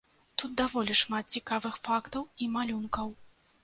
Тут даволі шмат цікавых фактаў і малюнкаў.